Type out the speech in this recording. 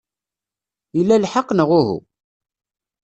Ila lḥeqq, neɣ uhu?